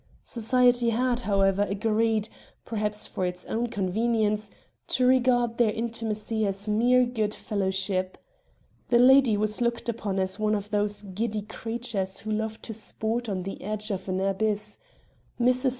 Society had, however, agreed, perhaps for its own convenience, to regard their intimacy as mere good fellowship. The lady was looked upon as one of those giddy creatures who love to sport on the edge of an abyss. Mrs.